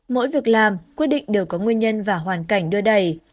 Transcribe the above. mỗi việc làm quyết định đều có nguyên nhân và hoàn cảnh đưa đầy